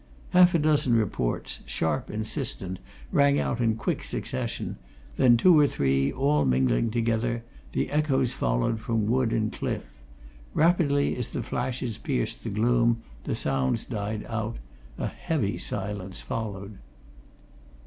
Half a dozen reports, sharp, insistent, rang out in quick succession; then two or three, all mingling together; the echoes followed from wood and cliff. Rapidly as the flashes pierced the gloom, the sounds died out a heavy silence followed.